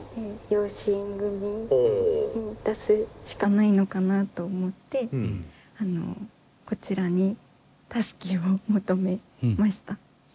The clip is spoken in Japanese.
養子縁組に出すしかないのかなと思ってこちらに助けを求めました。